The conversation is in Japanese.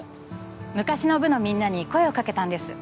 昔の部のみんなに声を掛けたんです。